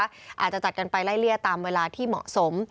อาจจะจัดกันไปไล่เลี่ยตามเวลาที่เหมาะสม